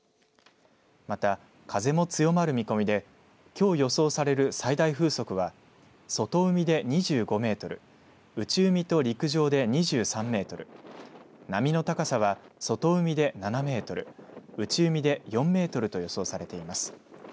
また風も強まる見込みできょう予想される最大風速は外海で２５メートル、内海と陸上で２３メートル、波の高さは外海で７メートル、内海で４メートルと予想されています。